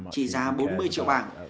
chỉ giá bốn mươi triệu bảng